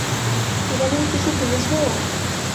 ইদানীং কিছু ভেঙেছে ও?